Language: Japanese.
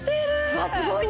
うわっすごいね！